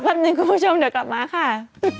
แป๊บหนึ่งคุณผู้ชมเดี๋ยวกลับมาค่ะ